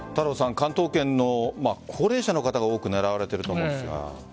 関東圏の高齢者の方が多く狙われていると思うんですが。